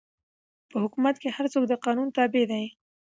په حکومت کښي هر څوک د قانون تابع دئ.